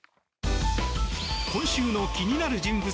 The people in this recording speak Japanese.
今週の気になる人物